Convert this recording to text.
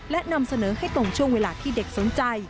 และนำเสนอให้ตรงช่วงเวลาที่เด็กสนใจ